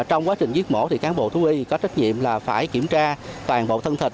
trong quá trình giết mổ cán bộ thú y có trách nhiệm phải kiểm tra toàn bộ thân thịt